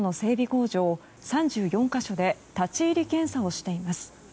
工場３４か所で立ち入り検査をしています。